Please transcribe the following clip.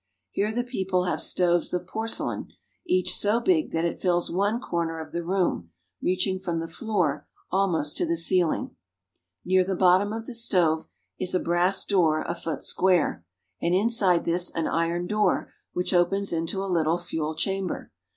Here the people have stoves of porcelain, each so big that it fills one corner of the room, reaching from the floor almost to the ceiling. 212 GERMANY. Near the bottom of the stove is a brass door a foot square, and inside this an iron door which opens into a little fuel chamber.